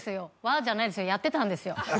「わ」じゃないですよやってたんですよ